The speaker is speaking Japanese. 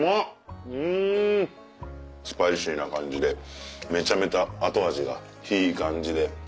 スパイシーな感じでめちゃめちゃ後味がいい感じで。